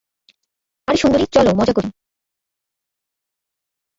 আরে, সুন্দরী, চল মজা করি।